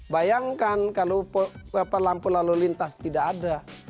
bayangkan kalau lampu lalu lintas tidak ada